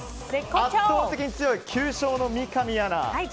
圧倒的に強い９勝の三上アナ。